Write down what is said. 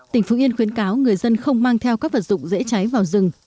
tỉnh phú yên khuyến cáo người dân không mang theo các vật dụng dễ cháy vào rừng